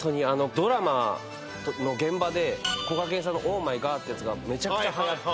ドラマの現場でこがけんさんのオーマイガー！ってやつがめちゃくちゃはやって。